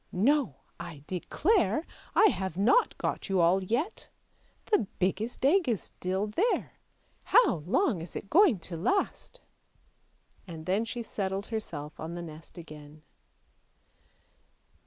" No! I declare I have not got you all yet! The biggest egg is still there; how long is it going to last? " and then she settled herself on the nest again.